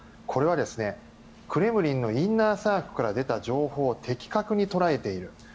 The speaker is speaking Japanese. これは、クレムリンのインナーサークルから出た情報を的確に捉えている。